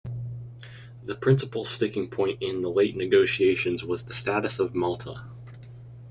The principal sticking point in the late negotiations was the status of Malta.